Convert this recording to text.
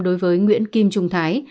đối với nguyễn kim trung thái